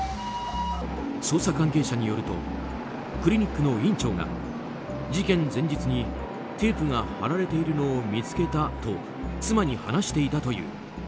捜査関係者によるとクリニックの院長が事件前日にテープが貼られているのを見つけたと妻に話していたという。